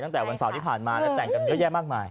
ตั้งแต่วันเสาร์ที่ผ่านมาแต่งกันเยอะแยะมากมาย